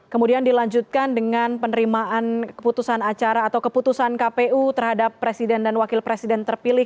kemudian dilanjutkan dengan penerimaan keputusan acara atau keputusan kpu terhadap presiden dan wakil presiden terpilih